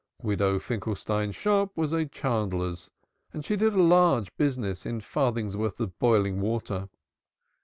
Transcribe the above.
Widow Finkelstein's shop was a chandler's, and she did a large business in farthing worths of boiling water.